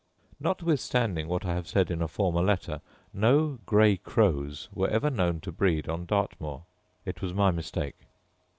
Notwithstanding what I have said in a former letter, no grey crows were ever known to breed on Dartmoor: it was my mistake.